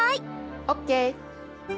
ＯＫ！